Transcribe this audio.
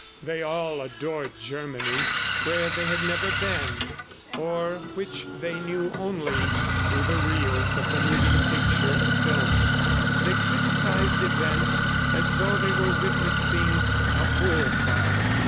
They all adored Germany where they had never been, or which they knew only through the reels of the moving picture films. They criticized events as though they were witnessing a bull fight.